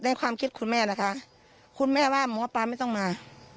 ความคิดคุณแม่นะคะคุณแม่ว่าหมอปลาไม่ต้องมา